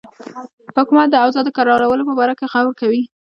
حکومت د اوضاع د کرارولو په باره کې غور کوي.